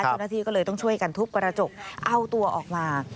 เจ้าหน้าที่ก็เลยต้องช่วยกันทุบกระจกเอาตัวออกมา